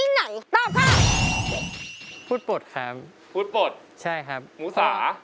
หมูสา